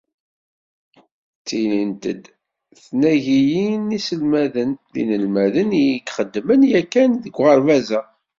Ttilint-d tnagiyin n yiselmaden d yinemhalen i ixedmen yakan deg uɣerbaz-a.